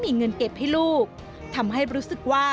ทำไมเราต้องเป็นแบบเสียเงินอะไรขนาดนี้เวรกรรมอะไรนักหนา